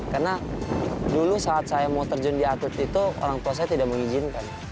karena dulu saat saya mau terjun di atlet itu orang tua saya tidak mengizinkan